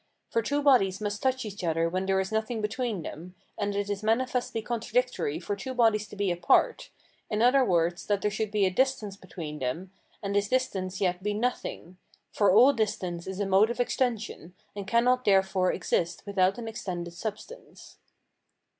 For two bodies must touch each other when there is nothing between them, and it is manifestly contradictory for two bodies to be apart, in other words, that there should be a distance between them, and this distance yet be nothing; for all distance is a mode of extension, and cannot therefore exist without an extended substance.